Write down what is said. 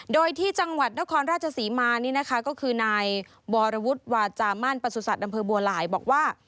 โดยที่จังหวัดนครราชศรีมานี่นะคะก็คือนายวรวุฒิวาจามั่นประสุทธิ์อำเภอบัวหลายบอกว่า